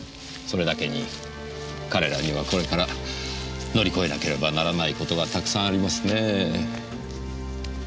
それだけに彼らにはこれから乗り越えなければならない事がたくさんありますねぇ。